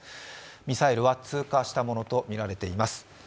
ミサイルは通過したものとみられています。